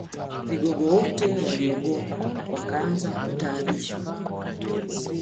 Vigogo wote waliogopa wakaanza kutaabishwa